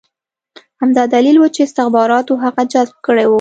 همدا دلیل و چې استخباراتو هغه جذب کړی و